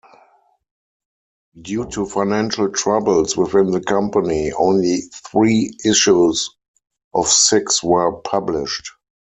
Due to financial troubles within the company, only three issues of six were published.